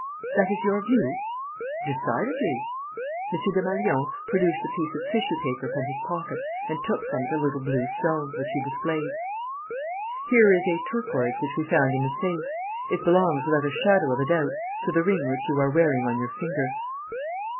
"That is your view?" "Decidedly." M. Desmalions produced a piece of tissue paper from his pocket and took from it a little blue stone, which he displayed. "Here is a turquoise which we found in the safe. It belongs, without a shadow of a doubt, to the ring which you are wearing on your finger."